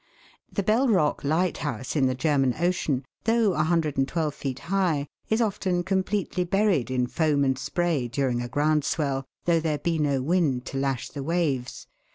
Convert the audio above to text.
The Bell Rock lighthouse, in the German Ocean, though 112 feet high, is often completely buried in foam and spray during a ground swell, though there be no wind to lash the waves.